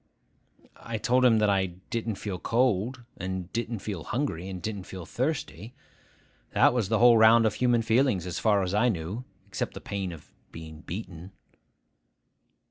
I told him that I didn't feel cold, and didn't feel hungry, and didn't feel thirsty. That was the whole round of human feelings, as far as I knew, except the pain of being beaten.